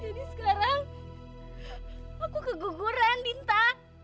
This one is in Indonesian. jadi sekarang aku keguguran dinta